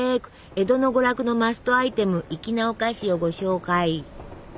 江戸の娯楽のマストアイテム粋なお菓子をご紹介。